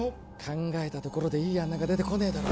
考えたところでいい案なんか出てこねえだろ